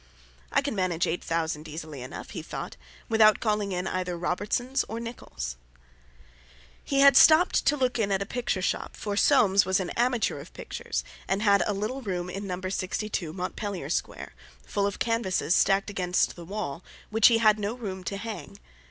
"I can manage eight thousand easily enough," he thought, "without calling in either Robertson's or Nicholl's." He had stopped to look in at a picture shop, for Soames was an "amateur" of pictures, and had a little room in No. 62, Montpellier Square, full of canvases, stacked against the wall, which he had no room to hang.